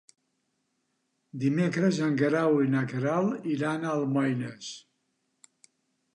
Dimecres en Guerau i na Queralt iran a Almoines.